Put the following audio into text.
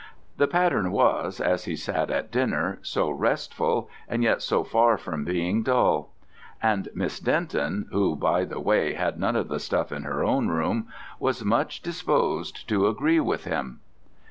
The pattern was, as he said at dinner, so restful and yet so far from being dull. And Miss Denton who, by the way, had none of the stuff in her own room was much disposed to agree with him.